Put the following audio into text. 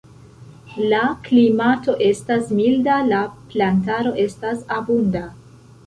La klimato estas milda, la plantaro estas abunda.